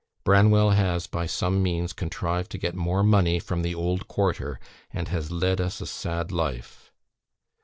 Branwell has, by some means, contrived to get more money from the old quarter, and has led us a sad life.